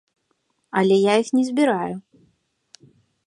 Але я іх не збіраю.